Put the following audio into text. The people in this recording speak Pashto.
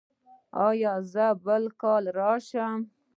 ایا زه بل کال راشم؟